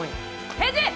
返事！